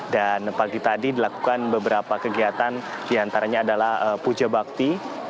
dan pagi tadi dilakukan beberapa kegiatan diantaranya adalah puja bakti